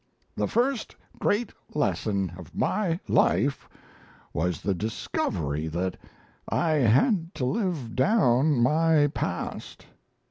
The first great lesson of my life was the discovery that I had to live down my past.